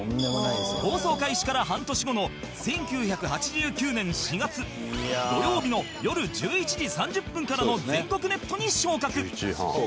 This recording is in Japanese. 放送開始から半年後の１９８９年４月土曜日のよる１１時３０分からの全国ネットに昇格